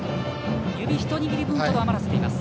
指一握り分ほど余らせています。